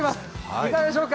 いかがでしょうか？